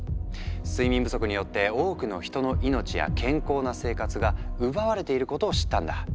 睡眠不足によって多くの人の命や健康な生活が奪われていることを知ったんだ。